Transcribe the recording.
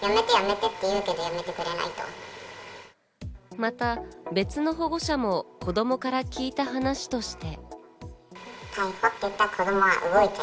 また別の保護者も子供から聞いた話として。